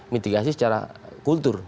mitigasi secara kultur